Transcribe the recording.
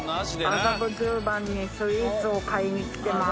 にスイーツを買いに来てます。